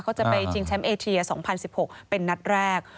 เขาจะไปชิงแชมป์เอเชีย๒๐๑๖เป็นนัดแรก